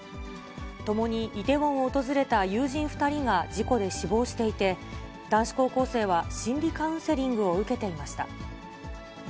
共にイテウォンを訪れた友人２人が事故で死亡していて、男子高校生は心理カウンセリングを受けていました。